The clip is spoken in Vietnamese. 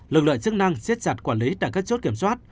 lực lượng chức năng siết chặt quản lý tại các chốt kiểm soát